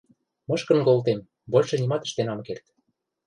Мышкын колтем, большы нимат ӹштен ам керд.